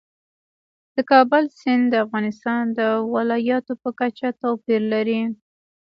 د کابل سیند د افغانستان د ولایاتو په کچه توپیر لري.